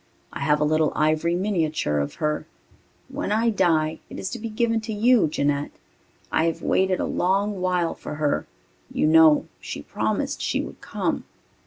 I have a little ivory miniature of her. When I die it is to be given to you, Jeanette. I have waited a long while for her. You know she promised she would come."